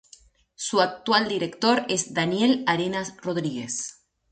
Su actual director es Daniel Arenas Rodríguez.